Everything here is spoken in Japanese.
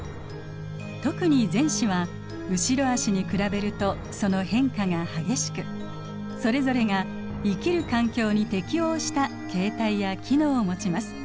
特に前肢は後ろあしに比べるとその変化が激しくそれぞれが生きる環境に適応した形態や機能をもちます。